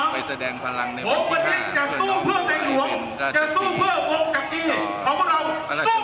ไปแสดงพลังในประตูนาจะสู้เพื่อเมืองราชดีอ๋อพระราชดี